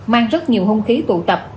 mang rất nhiều hung khí tụ tập